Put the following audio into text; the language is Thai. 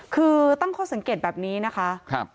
คือตั้งข้อสังเกตแบบนี้นะคะ